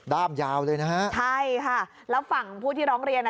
้ามยาวเลยนะฮะใช่ค่ะแล้วฝั่งผู้ที่ร้องเรียนอ่ะ